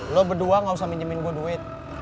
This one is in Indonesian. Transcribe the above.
lo berdua gausah minjemin gue duit